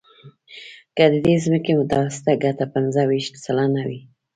که د دې ځمکې متوسطه ګټه پنځه ویشت سلنه وي